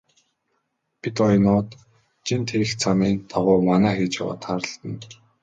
Бедоинууд жин тээх замын дагуу манаа хийж яваад тааралдана.